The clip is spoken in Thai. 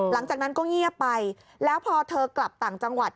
หลังจากนั้นก็เงียบไปแล้วพอเธอกลับต่างจังหวัด